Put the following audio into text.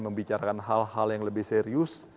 membicarakan hal hal yang lebih serius